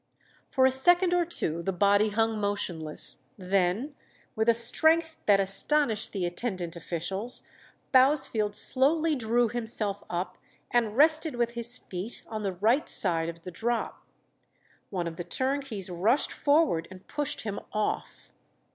"For a second or two the body hung motionless, then, with a strength that astonished the attendant officials, Bousfield slowly drew himself up, and rested with his feet on the right side of the drop. One of the turnkeys rushed forward and pushed him off.